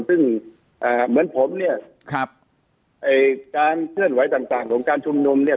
ซึ่งเหมือนผมเนี่ยการเคลื่อนไหวต่างของการชุมนุมเนี่ย